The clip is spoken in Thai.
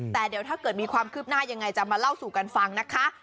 แต่เดี๋ยวถ้าเกิดมีความคืบหน้ายังไงจะมาเล่าสู่กันฟังนะคะ